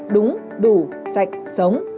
đúng đủ sạch sống